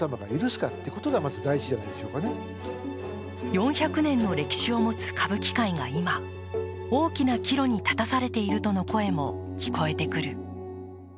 ４００年の歴史を持つ歌舞伎界が今大きな岐路に立たされているとの声も聞こえてくる。